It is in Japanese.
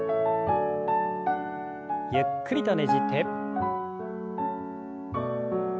ゆっくりとねじって。